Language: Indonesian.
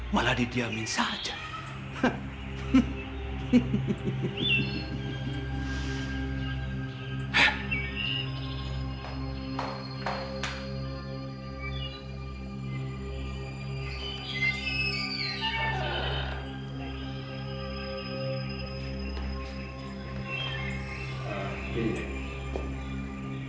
tetapi laila menghilang sejauh ini